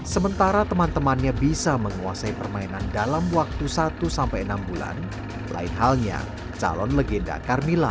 sementara teman temannya bisa menguasai permainan dalam waktu satu sampai enam bulan lain halnya calon legenda carmila